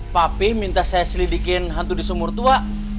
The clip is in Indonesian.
papi minta saya selidikin hantu di sumur tua